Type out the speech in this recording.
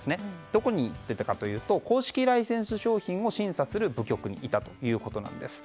どこに行っていたかというと公式ライセンス商品を審査する部局にいたということです。